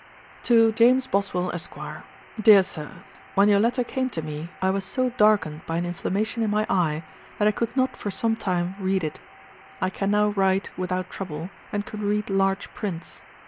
'TO JAMES BOSWELL, ESQ. 'DEAR SIR, 'When your letter came to me, I was so darkened by an inflammation in my eye, that I could not for some time read it. I can now write without trouble, and can read large prints.